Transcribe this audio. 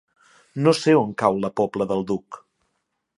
No sé on cau la Pobla del Duc.